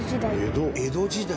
江戸時代。